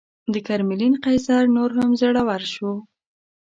د کرملین قیصر نور هم زړور شو.